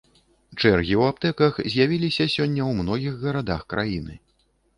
Чэргі ў аптэках з'явіліся сёння ў многіх гарадах краіны.